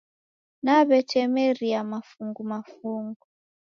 Naw'etemeria mafungu mafungu